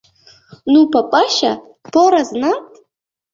— Nu, papasha, pora znat!